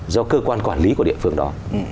do cơ quan quản lý của địa phương đó